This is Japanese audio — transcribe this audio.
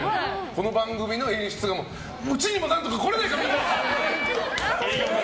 この番組の演出がうちにも何とか来れないか、ミニラ！って。